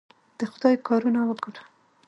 د خدای کارونه وګوره!